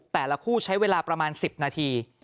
แต่ละคู่ใช้เวลาประมาณ๑๐นาที